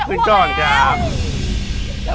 อ้ออจะอ้วกแล้ว